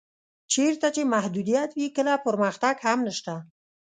چېرته چې محدودیت وي کله پرمختګ هم نشته.